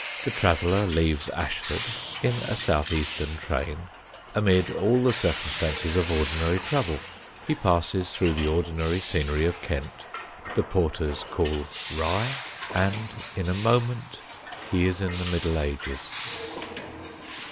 The traveller leaves Ashford, in a South Eastern train, amid all the circumstances of ordinary travel; he passes through the ordinary scenery of Kent; the porters call Rye, and in a moment he is in the middle ages.